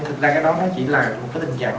thực ra cái đó nó chỉ là một cái tình trạng